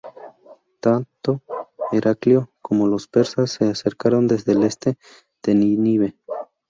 Tanto Heraclio como los persas se acercaron desde el este de Nínive.